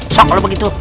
so kalau begitu